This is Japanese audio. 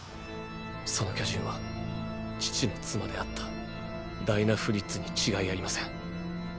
その巨人は父の妻であったダイナ・フリッツに違いありません。